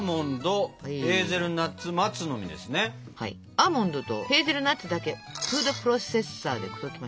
アーモンドとヘーゼルナッツだけフードプロセッサーで砕きましょう。